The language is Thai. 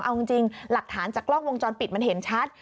เอาจริงหลักฐานจากกล้องวงจรปิดมันเห็นชัด